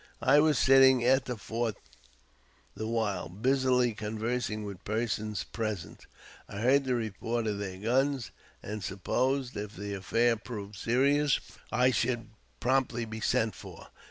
I was sitting at the fort the while, busily conversing with persons present ; I heard the report of their guns, and supposed, if the affair proved serious, I should be promptly sent for.